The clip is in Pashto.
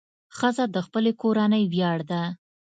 ښځه د خپلې کورنۍ ویاړ ده.